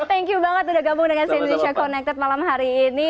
thank you banget sudah gabung dengan sambilisya connected malam hari ini